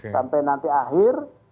sampai nanti akhir